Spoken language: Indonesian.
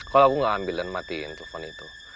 kalau aku tidak ambil dan matikan telepon itu